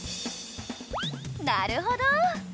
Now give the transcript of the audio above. なるほど！